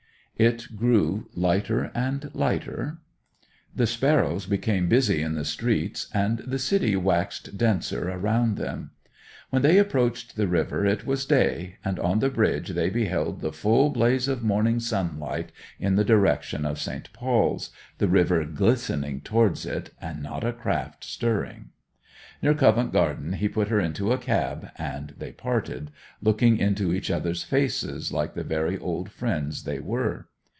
It grew lighter and lighter. The sparrows became busy in the streets, and the city waxed denser around them. When they approached the river it was day, and on the bridge they beheld the full blaze of morning sunlight in the direction of St. Paul's, the river glistening towards it, and not a craft stirring. Near Covent Garden he put her into a cab, and they parted, looking into each other's faces like the very old friends they were.